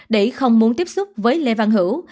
để không muốn tiếp xúc với lê văn hữu